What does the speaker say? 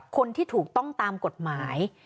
คนที่ถูกต้องตามกฎหมาย